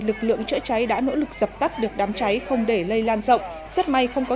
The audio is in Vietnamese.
lực lượng chữa cháy đã nỗ lực dập tắt được đám cháy không để lây lan rộng rất may không có